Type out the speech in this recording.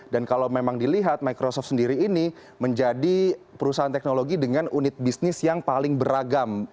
dan kalau memang dilihat microsoft sendiri ini menjadi perusahaan teknologi dengan unit bisnis yang paling beragam